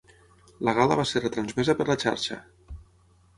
La gala va ser retransmesa per La Xarxa.